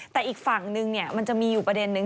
แต่อีกฝั่งนึงมันจะมีอยู่ประเด็นนึง